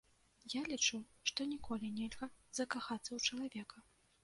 Я лічу, што ніколі нельга закахацца ў чалавека.